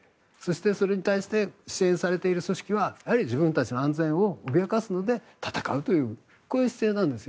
それに対して、ほかの組織は自分たちの安全を脅かすので戦うという姿勢なんですよ。